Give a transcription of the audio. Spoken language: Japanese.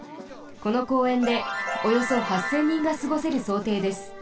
この公園でおよそ８，０００人がすごせるそうていです。